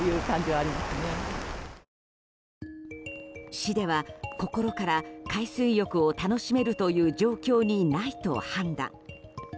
市では心から海水浴を楽しめるという状況にないと判断。